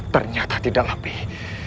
ternyata tidak lebih